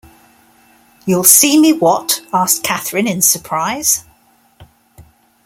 ‘You’ll see me what!’ asked Catherine in surprise.